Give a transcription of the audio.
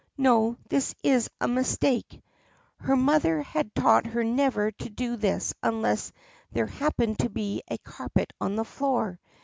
No, this is a mistake. Her mother had taught her never to do this unless there happened to be a carpet on the floor.